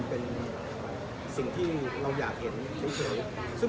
เป็นสิ่งที่เราอยากเห็นเฉย